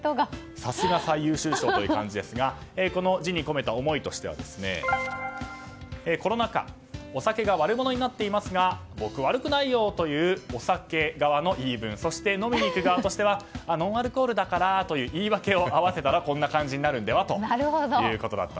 さすが最優秀賞という感じですがこの字に込めた思いとしてはコロナ禍お酒が悪者になっていますが僕は悪くないよというお酒側の言い分そして飲みに行く側としてはノンアルコールだからという言い訳を合わせたらこんな感じになるのではということでした。